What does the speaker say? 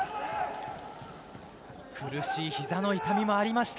苦しい膝の痛みもありました。